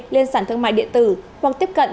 lên sản thương mại điện tử hoặc tiếp cận